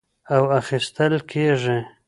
او اخىستل کېږي،